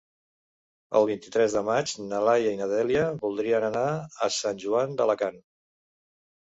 El vint-i-tres de maig na Laia i na Dèlia voldrien anar a Sant Joan d'Alacant.